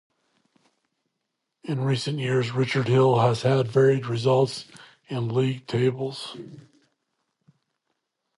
In recent years Richard Hill has had varied results in League Tables.